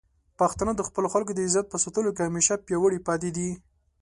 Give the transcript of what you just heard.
پښتانه د خپلو خلکو د عزت په ساتلو کې همیشه پیاوړي پاتې دي.